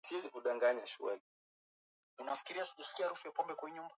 Viazi nne vya ukubwa wa kati vitatosha kupikia pilau